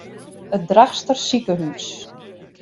It Drachtster sikehús.